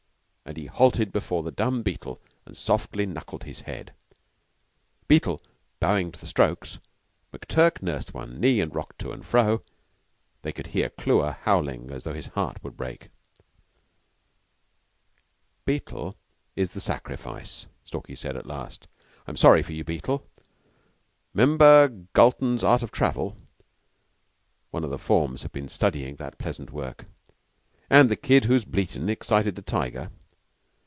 Then he halted before the dumb Beetle and softly knuckled his head, Beetle bowing to the strokes. McTurk nursed one knee and rocked to and fro. They could hear Clewer howling as though his heart would break. "Beetle is the sacrifice," Stalky said at last, "I'm sorry for you, Beetle. 'Member Galton's 'Art of Travel' [one of the forms had been studying that pleasant work] an' the kid whose bleatin' excited the tiger?"